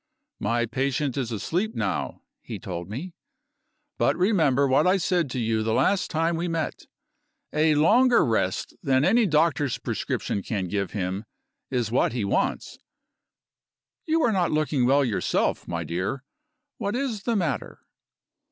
"My patient is asleep now," he told me; "but remember what I said to you the last time we met; a longer rest than any doctor's prescription can give him is what he wants. You are not looking well yourself, my dear. What is the matter?"